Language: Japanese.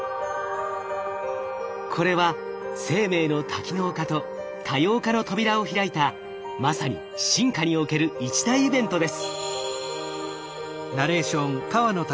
これは生命の多機能化と多様化の扉を開いたまさに進化における一大イベントです。